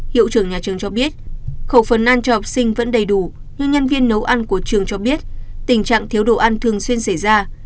hiệu trưởng nhà trường cho biết khẩu phần ăn cho học sinh vẫn đầy đủ nhưng nhân viên nấu ăn của trường cho biết tình trạng thiếu đồ ăn thường xuyên xảy ra